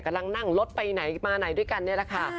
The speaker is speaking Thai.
กำลังนั่งรถไปไหนมาไหนด้วยกันนี่แหละค่ะ